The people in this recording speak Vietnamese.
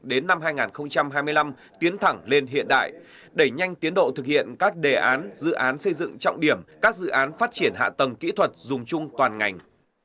đến năm hai nghìn hai mươi năm tiến thẳng lên hiện đại đẩy nhanh tiến độ thực hiện các đề án dự án xây dựng trọng điểm các dự án phát triển hạ tầng kỹ thuật dùng chung toàn ngành